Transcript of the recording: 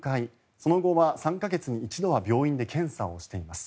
その後は３か月に一度は病院で検査をしています。